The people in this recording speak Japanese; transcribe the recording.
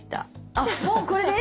あっもうこれで⁉